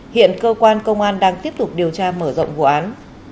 hiện cơ quan công an đang tiếp tục điều tra mở rộng vụ án